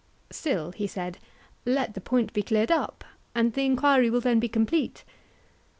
Still, he said, let the point be cleared up, and the enquiry will then be complete.